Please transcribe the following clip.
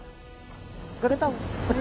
gak ada yang tau